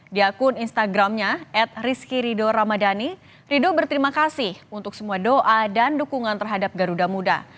di akun instagramnya at rizky rido ramadhani rido berterima kasih untuk semua doa dan dukungan terhadap garuda muda